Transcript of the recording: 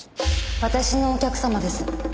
私のお客様です。